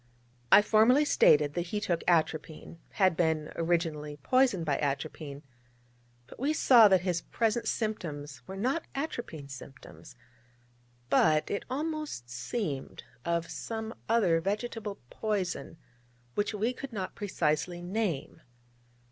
I formally stated that he took atropine had been originally poisoned by atropine: but we saw that his present symptoms were not atropine symptoms, but, it almost seemed, of some other vegetable poison, which we could not precisely name.